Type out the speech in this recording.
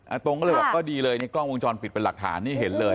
ตรงก็เลยแบบก็ดีเลยในกล้องวงจรปิดเป็นหลักฐานนี่เห็นเลย